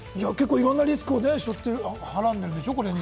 いろんなリスクを背負って、はらんでるんでしょう。